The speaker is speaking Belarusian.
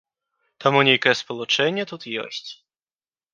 Таму нейкае спалучэнне тут ёсць.